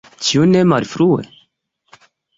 Ĉu ne malfrue?